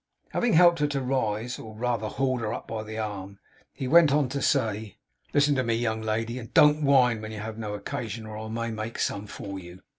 Having helped her to rise, or rather hauled her up by the arm, he went on to say: 'Listen to me, young lady; and don't whine when you have no occasion, or I may make some for you.